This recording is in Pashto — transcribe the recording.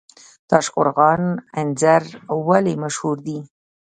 تاشقرغان انځر ولې مشهور دي؟